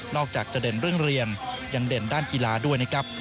อกจากจะเด่นเรื่องเรียนยังเด่นด้านกีฬาด้วยนะครับ